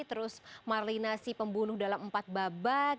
terus marlina si pembunuh dalam empat babak